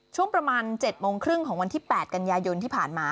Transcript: ช่วงประมาณ๗โมงครึ่งของวันที่๘กันยายนที่ผ่านมา